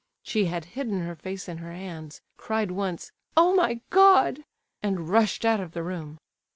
She had hidden her face in her hands, cried once "Oh, my God!" and rushed out of the room.